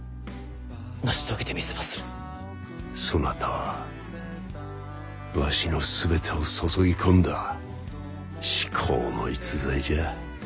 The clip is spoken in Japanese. そなたはわしのすべてを注ぎ込んだ至高の逸材じゃ。